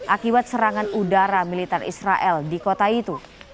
akibat serangan udara militer israel di kota itu